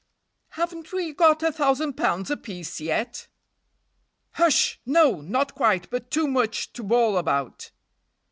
"Haven't we got a thousand pounds apiece yet?" "Hush! no! not quite; but too much to bawl about."